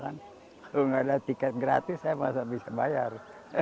kalau nggak ada tiket gratis saya masa bisa bayar